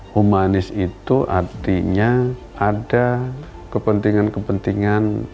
humanis itu artinya ada kepentingan kepentingan